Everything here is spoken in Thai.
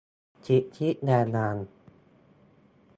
สิทธิแรงงาน